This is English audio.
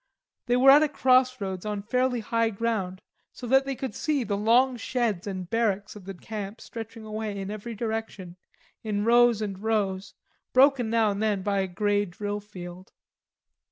They were at a cross roads on fairly high ground so that they could see the long sheds and barracks of the camp stretching away in every direction, in rows and rows, broken now and then by a grey drill field.